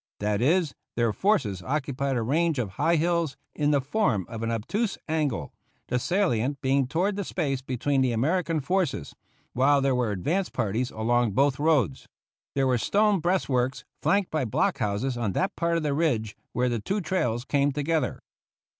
That is, their forces occupied a range of high hills in the form of an obtuse angle, the salient being toward the space between the American forces, while there were advance parties along both roads. There were stone breastworks flanked by block houses on that part of the ridge where the two trails came together.